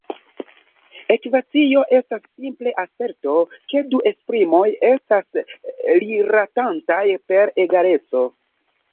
Ekvacio estas simple aserto ke du esprimoj estas rilatantaj per egaleco.